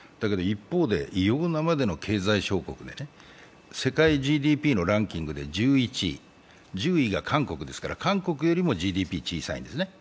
一方で、異様なまでの経済小国で、世界ＧＤＰのランキングで１１位、１０位が韓国ですから、韓国よりもＧＤＰが少ないんです。